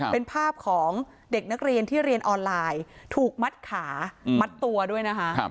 เป็นภาพของเด็กนักเรียนที่เรียนออนไลน์ถูกมัดขามัดตัวด้วยนะคะ